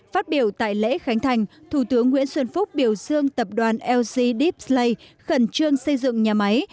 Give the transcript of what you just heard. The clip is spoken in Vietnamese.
phát biểu tại lễ khánh thành thủ tướng nguyễn xuân phúc biểu dương tập đoàn ldpslay khẩn trương xây dựng nhà máy